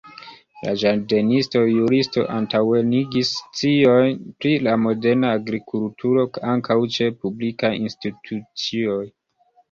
La ĝardenisto-juristo antaŭenigis scion pri la moderna agrikulturo ankaŭ ĉe publikaj institucioj.